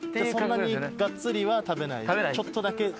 そんなにガッツリは食べないちょっとだけ。